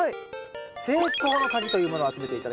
成功の鍵というものを集めて頂きます。